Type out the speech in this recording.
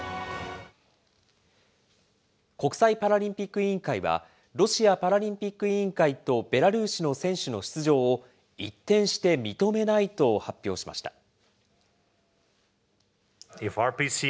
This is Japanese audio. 国際パラリンピック委員会は、ロシアパラリンピック委員会とベラルーシの選手の出場を、一転して認めないと発表しました。